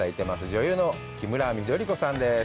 女優のキムラ緑子さんです。